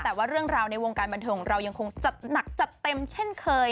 แต่ว่าเรื่องราวในวงการบันเทิงของเรายังคงจัดหนักจัดเต็มเช่นเคย